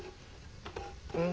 うん。